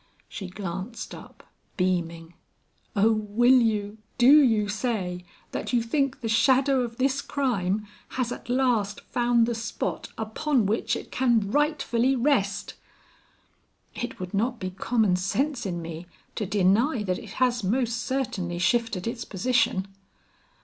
She glanced up beaming. "Oh, will you, do you say, that you think the shadow of this crime has at last found the spot upon which it can rightfully rest?" "It would not be common sense in me to deny that it has most certainly shifted its position."